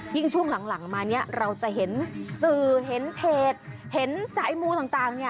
ยิ่งช่วงหลังมาเนี่ยเราจะเห็นเสือเห็นเพจเห็นสายมูต์ต่าง